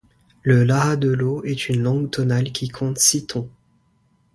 Le laha de l'eau est une langue tonale qui compte six tons.